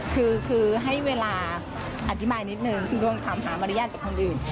คือให้เวลาอธิบายนิดนึงรวมถามหามารยาทจากคนอื่น